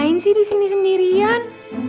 ngapain sih disini sendirian